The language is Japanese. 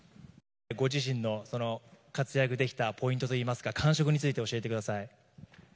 ご自身の活躍できたポイントといいますか感触について教えてください。